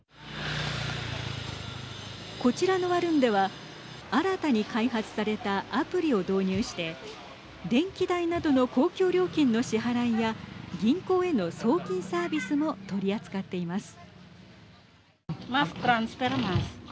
こちらのワルンでは新たに開発されたアプリを導入して電気代などの公共料金の支払いや銀行への送金サービスも取り扱っています。